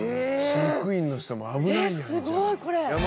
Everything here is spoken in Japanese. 飼育員の人も危ないやんじゃあ。